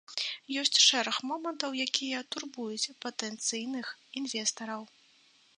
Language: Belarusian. Ёсць шэраг момантаў, якія турбуюць патэнцыйных інвестараў.